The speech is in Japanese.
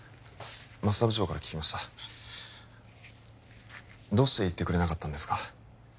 舛田部長から聞きましたどうして言ってくれなかったんですか？